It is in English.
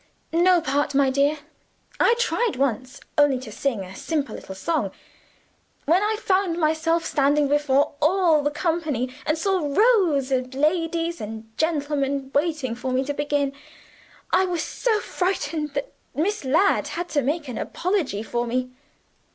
"No part, my dear. I tried once only to sing a simple little song. When I found myself standing before all the company and saw rows of ladies and gentlemen waiting for me to begin, I was so frightened that Miss Ladd had to make an apology for me.